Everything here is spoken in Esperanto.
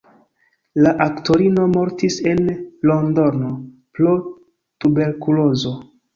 La aktorino mortis en Londono pro tuberkulozo.